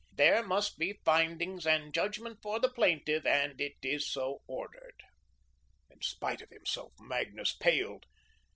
There must be findings and judgment for the plaintiff, and it is so ordered." In spite of himself, Magnus paled.